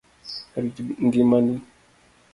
Rit ngima ni.